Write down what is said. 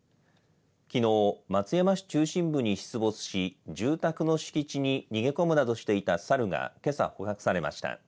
きのう松山市中心部に出没し住宅の敷地に逃げ込むなどしていたサルがけさ捕獲されました。